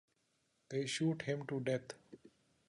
They shoot him to death.